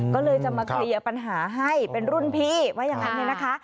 ก็เลยจะมาเคลียร์ปัญหาให้เป็นรุ่นพี่ว่าอย่างนั้นเนี่ยนะคะ